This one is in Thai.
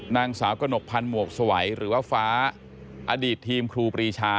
นางสาวกระหนกพันธ์หมวกสวัยหรือว่าฟ้าอดีตทีมครูปรีชา